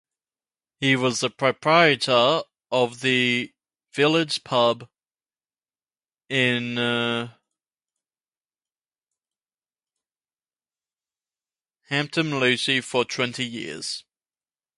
He was the proprietor of the village pub in Hampton Lucy for twenty years.